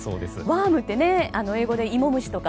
ワームって英語でイモムシとか